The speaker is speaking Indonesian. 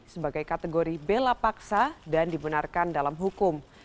sebagai kategori bela paksa dan dibenarkan dalam hukum